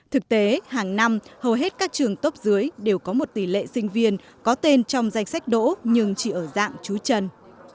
thực tế hàng năm hầu hết các trường tốt dưới đều có một tỷ lệ sinh viên có tên trong danh sách đỗ nhưng chỉ ở dạng chú chân